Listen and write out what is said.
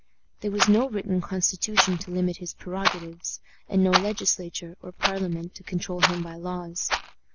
There was no written constitution to limit his prerogatives, and no Legislature or Parliament to control him by laws.